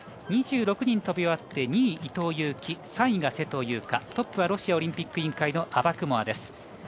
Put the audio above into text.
人飛び終わって２位、伊藤有希３位が勢藤優花トップはロシアオリンピック委員会のアバクモワです。